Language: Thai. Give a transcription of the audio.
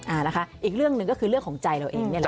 อ่านะคะอีกเรื่องหนึ่งก็คือเรื่องของใจเราเองนี่แหละ